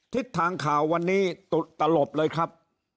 ทิศทางข่าววันนี้ตลบเลยครับ